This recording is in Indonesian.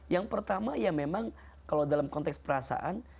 yang pertama ya memang kalau dalam konteks perasaan